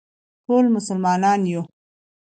ټول مسلمانان یو